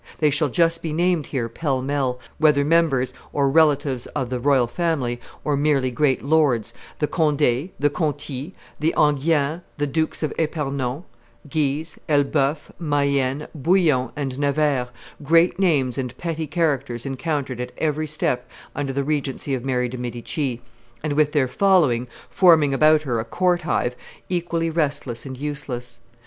They shall just be named here pell mell, whether members or relatives of the royal family or merely great lords the Condes, the Contis, the Enghiens, the Dukes of Epernon, Guise, Elbeuf, Mayenne, Bouillon, and Nevers, great names and petty characters encountered at every step under the regency of Mary de' Medici, and, with their following, forming about her a court hive, equally restless and useless.